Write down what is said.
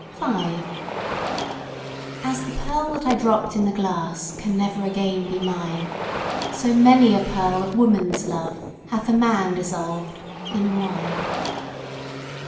5 As the pearl that I dropped in the glass can never again be mine, So many a pearl of woman's love hath a man dissolved in wine.